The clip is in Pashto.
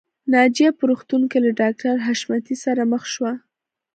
ناجیه په روغتون کې له ډاکټر حشمتي سره مخ شوه